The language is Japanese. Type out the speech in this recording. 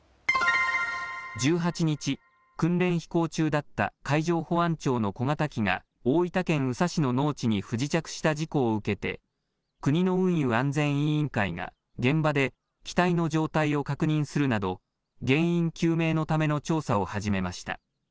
１８日、訓練飛行中だった海上保安庁の小型機が大分県宇佐市の農地に不時着した事故を受けて国の運輸安全委員会が現場で機体の状態を確認するなど原因究明のための調査を始めました。